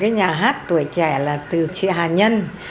nhà hát tuổi trẻ là từ chị hà nhân